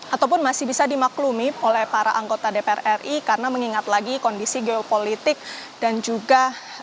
ataupun masih bisa dimaklumi oleh para anggota dpr ri karena mengingat lagi kondisi geopolitik dan juga